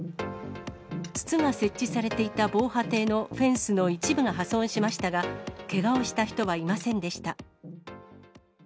筒が設置されていた防波堤のフェンスの一部が破損しましたが、けがをした人はいませんでした。